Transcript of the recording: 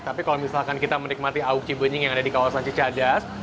tapi kalau misalkan kita menikmati au cibenying yang ada di kawasan cicadas